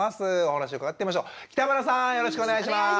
よろしくお願いします。